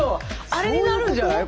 あれになるんじゃない？